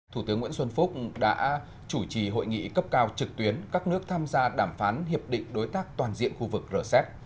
thủ tướng nguyễn xuân phúc đã chủ trì hội nghị cấp cao trực tuyến các nước tham gia đàm phán hiệp định đối tác toàn diện khu vực rcep